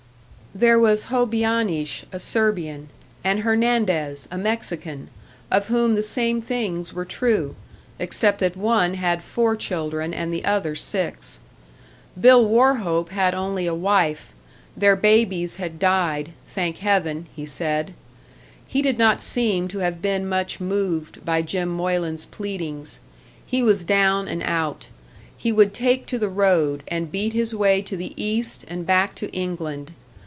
There was Hobianish, a Serbian, and Hernandez, a Mexican, of whom the same things were true, except that one had four children and the other six. Bill Wauchope had only a wife their babies had died, thank heaven, he said. He did not seem to have been much moved by Jim Moylan's pleadings; he was down and out; he would take to the road, and beat his way to the East and back to England.